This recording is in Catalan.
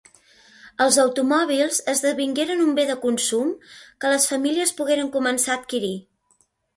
Els automòbils esdevingueren un bé de consum que les famílies pogueren començar a adquirir.